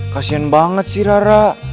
kasian banget sih rara